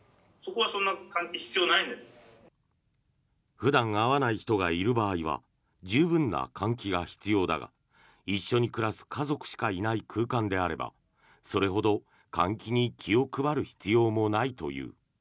普段会わない人がいる場合は十分な換気が必要だが一緒に暮らす家族しかいない空間であればそれほど換気に気を配る必要もないという。